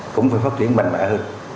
cũng phải phát triển mạnh mẽ hơn